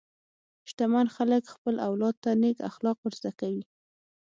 شتمن خلک خپل اولاد ته نېک اخلاق ورزده کوي.